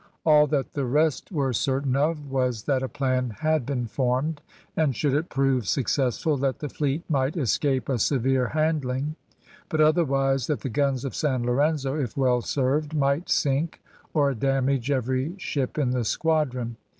All that the rest were certain of was that a plan had been formed, and should it prove successful that the fleet might escape a severe handling, but otherwise that the guns of San Lorenzo, if well served, might sink or damage every ship in the squadron.